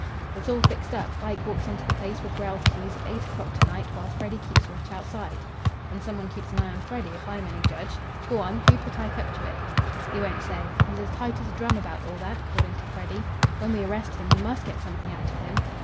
"It's all fixed up. Ike walks into the place with Grell's keys at eight o'clock to night, while Freddy keeps watch outside " "And some one keeps an eye on Freddy, if I'm any judge. Go on. Who put Ike up to it?" "He won't say. He's as tight as a drum about all that, according to Freddy. When we arrest him we must get something out of him."